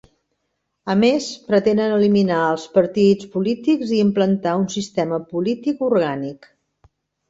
A més pretenen eliminar els partits polítics i implantar un sistema polític orgànic.